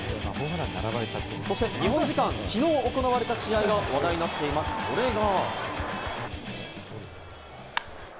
そして日本時間きのう行われた試合が話題になっています、それが。